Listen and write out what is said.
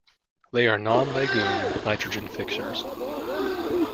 They are non-legume nitrogen fixers.